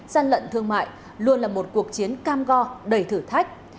gian lận thương mại luôn là một cuộc chiến cam go đầy thử thách